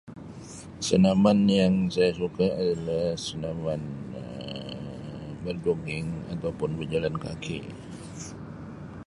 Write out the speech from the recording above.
Senaman yang saya suka adalah senaman Um berjogging atau pun berjalan kaki.